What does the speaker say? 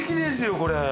これ。